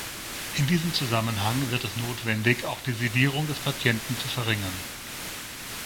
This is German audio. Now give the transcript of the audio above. In diesem Zusammenhang wird es notwendig, auch die Sedierung des Patienten zu verringern.